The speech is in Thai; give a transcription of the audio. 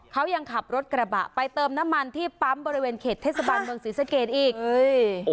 เขายังขับรถกระบะไปเติมน้ำมันที่ปั๊มบริเวณเขตเทศบาลเมืองศรีสะเกดอีกเฮ้ย